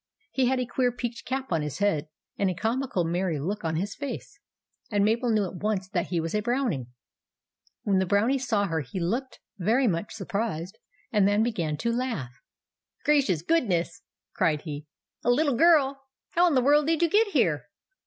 He had a queer peaked cap on his head, and a comical, merry look on his face ; and Mabel knew at once that he was a Brownie. When the Brownie saw her he looked THE BROWNIE JELLY 185 very much surprised, and then began to laugh. "Gracious goodness !" cried he. " A little girl! How in the world did you get here?"